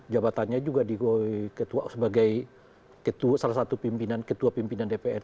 jabatannya juga sebagai salah satu ketua pimpinan dpr